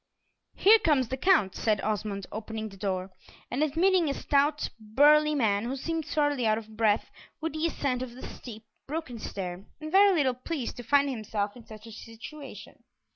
"Here comes the Count," said Osmond, opening the door, and admitting a stout, burly man, who seemed sorely out of breath with the ascent of the steep, broken stair, and very little pleased to find himself in such a situation.